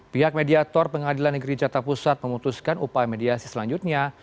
pihak mediator pengadilan negeri jakarta pusat memutuskan upaya mediasi selanjutnya